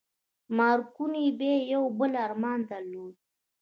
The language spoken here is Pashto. مارکوني بيا يو بل ارمان درلود.